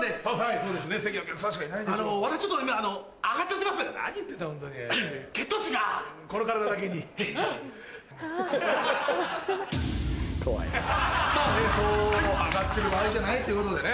そう上がってる場合じゃないってことでね